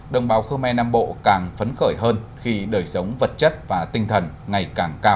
đồng bào khơ me nam bộ càng phấn khởi hơn khi đời sống vật chất và tinh thần ngày càng cao